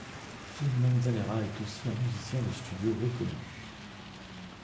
Phil Manzanera est aussi un musicien de studio reconnu.